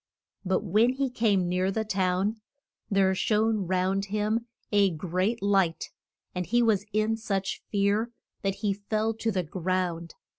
But when he came near the town there shone round him a great light, and he was in such fear that he fell to the ground.